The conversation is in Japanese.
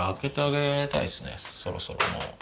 そろそろもう。